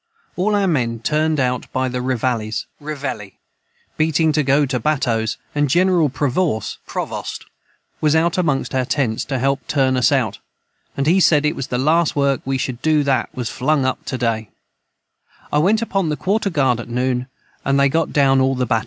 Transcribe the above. All our men turned out by the Revallies Beating to go after Battoes & jineral Provorce was out amongst our tents to help turn us out & he said it was the last work we should do that was flung up to day I went upon the Quarter guard at noon and they got down all the Battoes.